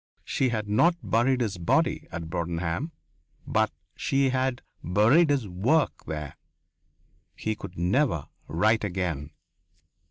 She had not buried his body at Broadenham, but she had buried his work there. He could never write again....